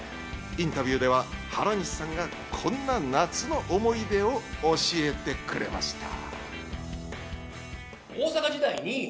インタビューでは原西さんがこんな夏の思い出を教えてくれました。